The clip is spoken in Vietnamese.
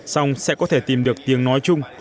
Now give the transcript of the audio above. xong sẽ có thể tìm được tiếng nói chung